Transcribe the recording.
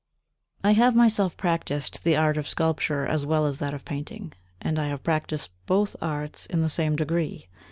I have myself practised the art of sculpture as well as that of painting, and I have practised both arts in the same degree.